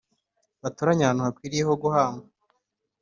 batoranye ahantu hakwiriye ho guhamba